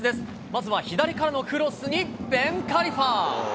まずは左からのクロスにベン・カリファ。